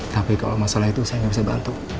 tapi kalau masalah itu saya gak bisa bantu